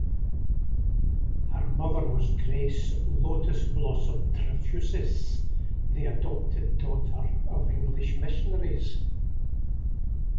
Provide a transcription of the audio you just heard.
Her mother was Grace "Lotus Blossom" Trefusis, the adopted daughter of English missionaries.